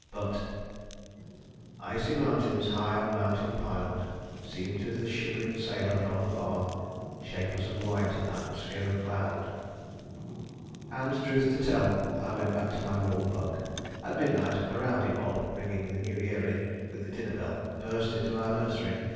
But Icy mountains high on mountains pil'd Seem to the shivering sailor from afar Shapeless and white, an atmosphere of cloud; and, truth to tell, I went back to my warm bunk. At midnight a rowdy mob, ringing the New Year in with the dinner bell, burst into our Nursery.